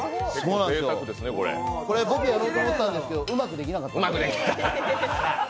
僕やろうと思ったんですけどうまくできなかった。